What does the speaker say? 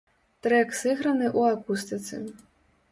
Трэк сыграны ў акустыцы.